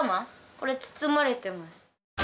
これ包まれてます。